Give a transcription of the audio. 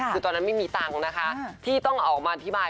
คือตอนนั้นไม่มีตังค์นะคะที่ต้องออกมาอธิบาย